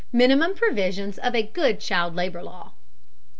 MINIMUM PROVISIONS OF A GOOD CHILD LABOR LAW.